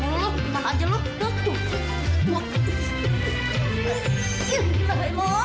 emang mau ajak ke hidup